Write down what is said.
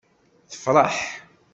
Tefṛeḥ.